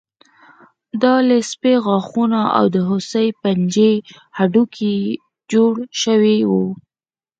دا له سپي غاښونو او د هوسۍ پنجې هډوکي جوړ شوي وو